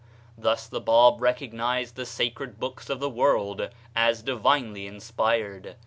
Thus the Bab recognized the sacred books of the world as divinely inspired.